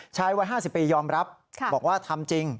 วัย๕๐ปียอมรับบอกว่าทำจริง